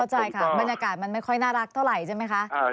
เข้าใจค่ะบรรยากาศมันไม่ค่อยน่ารักเท่าไหร่ใช่ไหมคะ